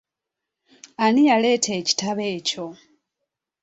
Ani yaleeta ekitabo ekyo?